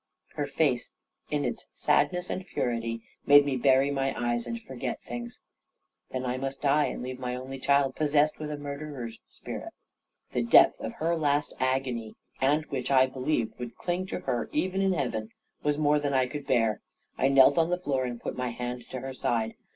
Her face in its sadness and purity made me bury my eyes and forget things. "Then I must die, and leave my only child possessed with a murderer's spirit!" The depth of her last agony, and which I believed would cling to her even in heaven, was more than I could bear. I knelt on the floor and put my hand to her side.